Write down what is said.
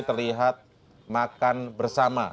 terlihat makan bersama